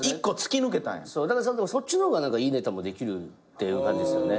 そっちの方がいいネタもできるっていう感じですよね。